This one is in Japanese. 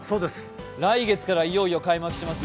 来月からいよいよ開幕します